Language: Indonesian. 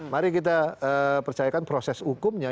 mari kita percayakan proses hukumnya